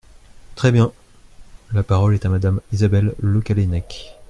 Très bien ! La parole est à Madame Isabelle Le Callennec.